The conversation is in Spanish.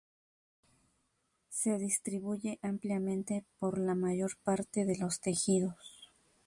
Se distribuye ampliamente por la mayor parte de los tejidos.